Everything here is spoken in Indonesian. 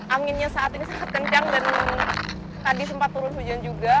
anginnya saat ini sangat kencang dan tadi sempat turun hujan juga